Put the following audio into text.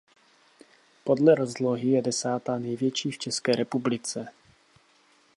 Podle rozlohy je desátá největší v České republice.